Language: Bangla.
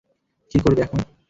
কী করবে এখন?